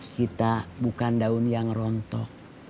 kita bukan daun yang rontok